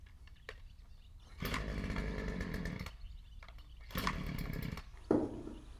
Ndɔ a abed a nkul, a ngaaloŋ batsidi: bəsǝ, bəsǝ, bəsǝ, bəsǝ, bəsǝ, zaan avol, avol, batsidi asə, avol avol.